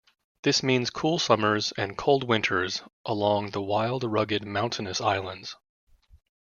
This means cool summers and cold winters along the wild, rugged mountainous islands.